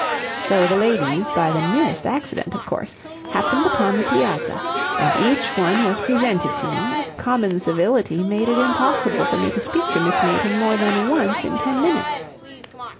So the ladies, by the merest accident, of course, happened upon the piazza, and each one was presented to me, and common civility made it impossible for me to speak to Miss Mayton more than once in ten minutes.